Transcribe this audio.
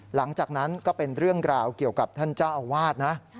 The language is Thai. หลังจากนั้นก็เป็นเรื่องราวเกี่ยวกับท่านเจ้าอาวาสนะ